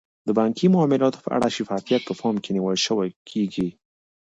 د بانکي معاملاتو په اړه شفافیت په پام کې نیول کیږي.